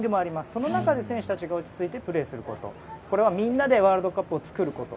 その中で選手たちが落ち着いてプレーすることこれはみんなでワールドカップを作ること。